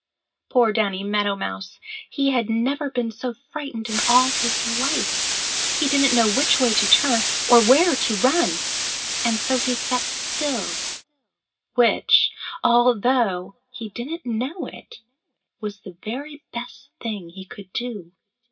Poor Danny Meadow Mouse! He had never been so frightened in all his life. He didn't know which way to turn or where to run. And so he sat still, which, although he didn't know it, was the very best thing he could do.